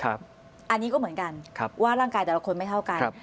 อันนี้ก็เหมือนกันว่าร่างกายแต่ละคนไม่เท่ากัน